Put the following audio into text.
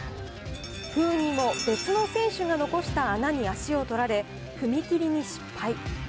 不運にも別の選手が残した穴に足を取られ、踏み切りに失敗。